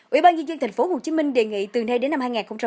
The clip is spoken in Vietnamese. ủy ban nhân dân tp hcm đề nghị từ nay đến năm hai nghìn hai mươi